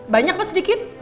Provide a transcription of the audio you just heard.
banyak mas sedikit